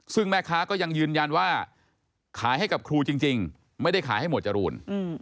ซึ่งแม่ค้าก็ยังยืนยันว่าขายให้กับครูจริงไม่ได้ขายให้หมวดจรูน